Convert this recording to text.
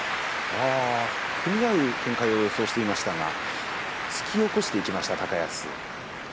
組み合う展開を予想していましたが突き起こしていきました高安。